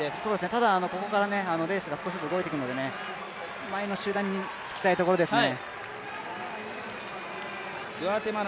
ただ、ここからレースが少しずつ動いてくるので前の集団につきたいところですね。